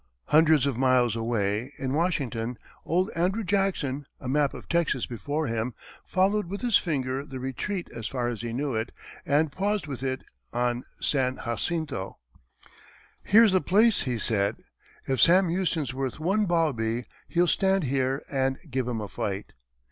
Hundreds of miles away, in Washington, old Andrew Jackson, a map of Texas before him, followed with his finger the retreat as far as he knew it, and paused with in on San Jacinto. "Here's the place," he said. "If Sam Houston's worth one bawbee, he'll stand here and give 'em a fight."